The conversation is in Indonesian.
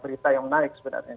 berita yang naik sebenarnya